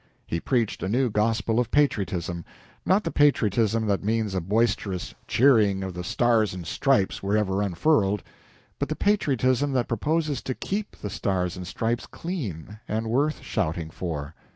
He preached a new gospel of patriotism not the patriotism that means a boisterous cheering of the Stars and Stripes wherever unfurled, but the patriotism that proposes to keep the Stars and Stripes clean and worth shouting for.